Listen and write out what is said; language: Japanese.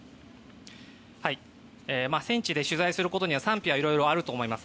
戦地で取材することには賛否があると思います。